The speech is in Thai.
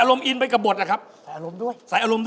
ผมยกทัศน์